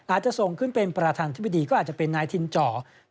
อาจจะส่งขึ้นเป็นประธานธิบดีก็อาจจะเป็นนายทินจ่อ